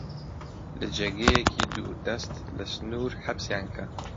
لە جێگەیەکی دووردەست، لە سنوور حەبسیان کە!